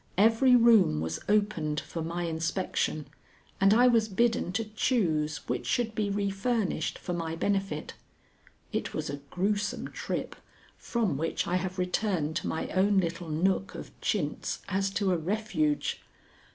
Every room was opened for my inspection, and I was bidden to choose which should be refurnished for my benefit. It was a gruesome trip, from which I have returned to my own little nook of chintz as to a refuge.